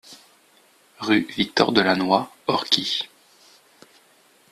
Rue Victor Delannoy, Orchies